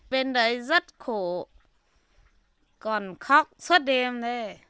bên đấy rất khổ còn khóc suốt đêm thế